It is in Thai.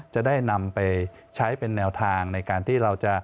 จะได้นำไปใช้เป็นแนวทางในการที่เราจะ